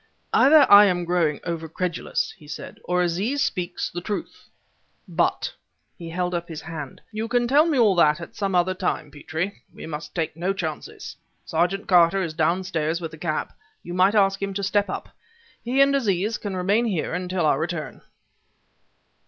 "Either I am growing over credulous," he said, "or Aziz speaks the truth. But" he held up his hand "you can tell me all that at some other time, Petrie! We must take no chances. Sergeant Carter is downstairs with the cab; you might ask him to step up. He and Aziz can remain here until our return."